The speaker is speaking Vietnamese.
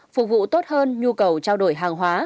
phục vụ tốt hơn nhu cầu trao đổi hàng hóa